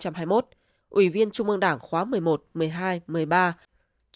chủ nhiệm ủy ban kiểm tra trung ương phan đình trạc